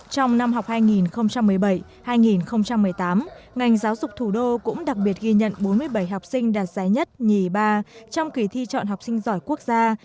trong năm học hai nghìn một mươi bảy hai nghìn một mươi tám ngành giáo dục thủ đô cũng đặc biệt ghi nhận bốn mươi bảy học sinh đạt giải nhất nhì ba trong kỳ thi chọn học sinh giỏi quốc gia